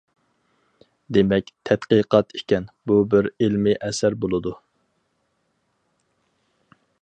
دېمەك، تەتقىقات ئىكەن، ئۇ بىر ئىلمىي ئەسەر بولىدۇ.